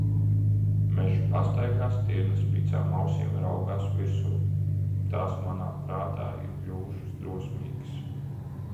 Meža pastaigā stirna spicām ausīm raugās virsū, tās manā prātā ir kļuvušas drosmīgas.